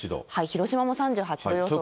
広島も３８度予想です。